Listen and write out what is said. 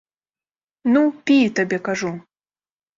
Ну, пі, табе кажу!